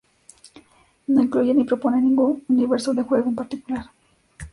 No incluye ni propone ningún universo de juego en particular.